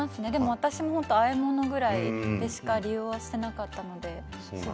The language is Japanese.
私、あえ物ぐらいしか利用していなかったので。